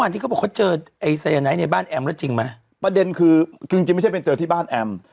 ที่ก็เพราะเจอไอ้สายน้อยในบ้านแอ๊มนะจริงมาครับประเด็นคือจริงไม่เจอที่บ้านแอ๊ม